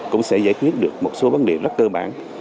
cũng sẽ giải quyết được một số vấn đề rất cơ bản